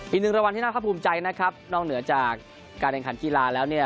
อีกหนึ่งรางวัลที่น่าภาพภูมิใจนะครับนอกเหนือจากการแข่งขันกีฬาแล้วเนี่ย